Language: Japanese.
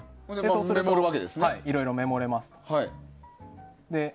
そうすると、いろいろメモれます。